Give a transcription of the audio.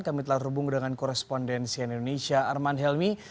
kami telah terhubung dengan korespondensi indonesia arman helmi